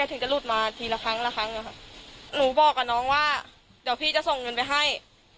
ถึงจะหลุดมาทีละครั้งละครั้งอะค่ะหนูบอกกับน้องว่าเดี๋ยวพี่จะส่งเงินไปให้